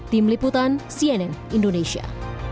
tim liputan cnn indonesia